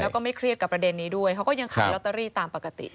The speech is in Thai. แล้วก็ไม่เครียดกับประเด็นนี้ด้วยเขาก็ยังขายลอตเตอรี่ตามปกติ